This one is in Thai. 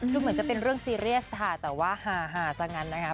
คือเหมือนจะเป็นเรื่องซีเรียสค่ะแต่ว่าฮาซะงั้นนะคะ